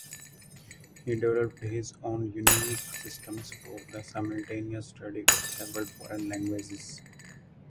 He developed his own unique systems for the simultaneous study of several foreign languages.